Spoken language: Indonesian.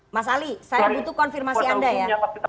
mas ali saya butuh konfirmasi anda ya